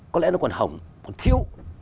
có lẽ nó còn hỏng còn thiếu